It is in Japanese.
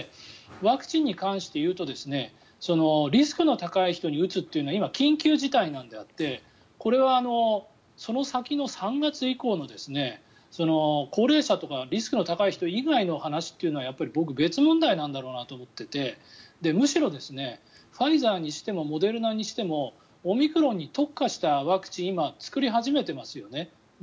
ワクチンに関していうとリスクの高い人に打つっていうのは今、緊急事態なのであってこれはその先の３月以降の高齢者とかリスクの高い人以外の話はやっぱり僕別問題なんだろうなと思っていてむしろ、ファイザーにしてもモデルナにしてもオミクロンに特化したワクチンを今、作り始めていますよね。